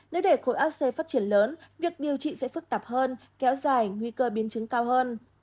nếu để khối ac phát triển lớn việc điều trị sẽ phức tạp hơn kéo dài nguy cơ biến chứng cao hơn